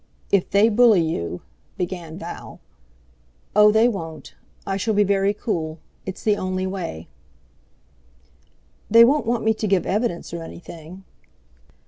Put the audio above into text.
"If they bully you...." began Val. "Oh! they won't. I shall be very cool. It's the only way." "They won't want me to give evidence or anything?"